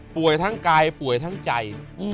ทั้งกายป่วยทั้งใจ